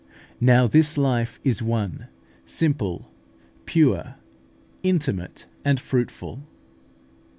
Now this life is one, simple, pure, intimate, and fruitful.